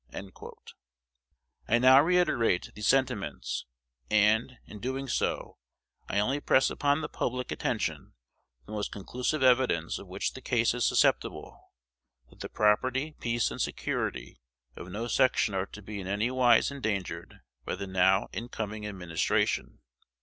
I now reiterate these sentiments; and, in doing so, I only press upon the public attention the most conclusive evidence of which the case is susceptible, that the property, peace, and security of no section are to be in any wise endangered by the now incoming administration.